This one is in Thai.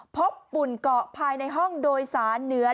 ฝุ่นเกาะภายในห้องโดยสารเหนือ